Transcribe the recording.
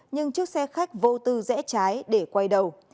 nhưng chiếc xe khách vô tư rẽ trái để quay đầu